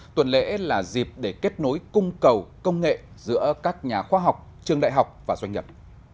tuần lễ là dịp để kết nối cung cầu công nghệ giữa các nhà khoa học trường đại học và doanh nghiệp